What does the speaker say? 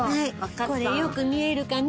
これよく見えるかな？